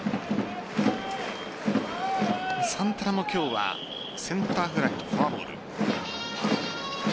サンタナも今日はセンターフライとフォアボール。